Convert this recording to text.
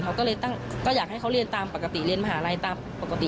เขาก็เลยตั้งก็อยากให้เขาเรียนตามปกติเรียนมหาลัยตามปกติ